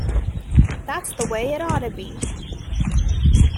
That's the way it oughtta be!